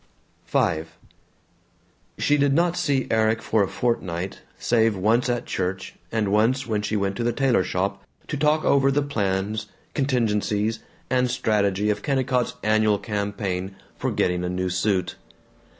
V She did not see Erik for a fortnight, save once at church and once when she went to the tailor shop to talk over the plans, contingencies, and strategy of Kennicott's annual campaign for getting a new suit.